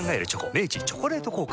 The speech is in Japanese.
明治「チョコレート効果」